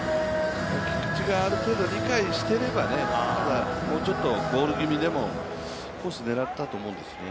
菊地がある程度理解してれば、もうちょっとボール気味でもコース狙ったと思うんですよね。